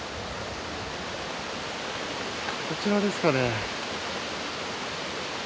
こちらですかね？